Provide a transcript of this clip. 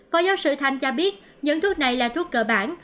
phó giáo sư thanh cho biết những thuốc này là thuốc cơ bản